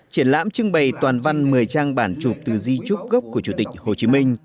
triển lãm trưng bày toàn văn một mươi trang bản chụp từ di trúc gốc của chủ tịch hồ chí minh